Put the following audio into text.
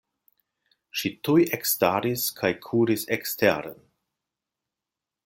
Ŝi tuj ekstaris kaj kuris eksteren.